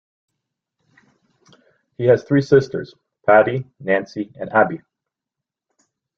He has three sisters, Patty, Nancy and Abby.